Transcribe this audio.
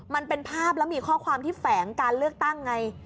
มันเป็นภาพแล้วมีข้อความที่แฝงการเลือกตั้งไง